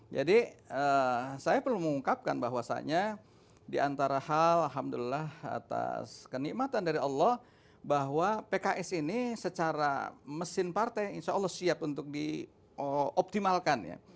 jadi saya perlu mengungkapkan bahwasanya diantara hal alhamdulillah atas kenikmatan dari allah bahwa pks ini secara mesin partai insya allah siap untuk dioptimalkan ya